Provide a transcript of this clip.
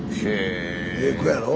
ええ。